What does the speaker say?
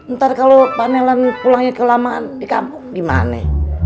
ntar kalau pak nelan pulangnya ke lamaan di kampung gimane